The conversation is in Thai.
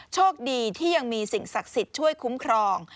โชคดีที่ยังมีสิ่งศักดิ์สิทธิ์ช่วยคุ้มครอง